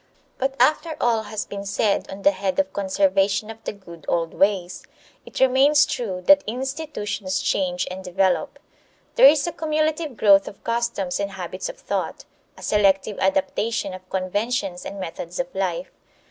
But after all has been said on the head of conservation of the good old ways, it remains true that institutions change and develop. There is a cumulative growth of customs and habits of thought; a selective adaptation of conventions and methods of life.